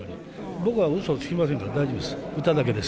僕はうそつきませんから大丈夫です。